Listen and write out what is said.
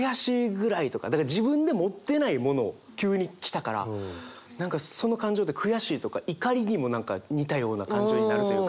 だから自分で持ってないものを急に来たから何かその感情って悔しいとか怒りにも似たような感情になるというか。